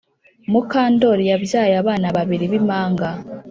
mukandori yabyaye abana babiri bimpanga